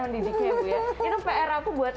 mendidiknya bu ya itu pr aku buat